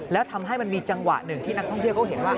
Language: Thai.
แล้วทำให้มันมีจังหวะหนึ่งที่นักท่องเที่ยวเขาเห็นว่า